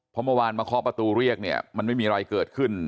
เพราะเมื่อวานมาเคาะประตูเรียกเนี่ยมันไม่มีอะไรเกิดขึ้น